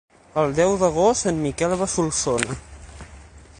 El deu d'agost en Miquel va a Solsona.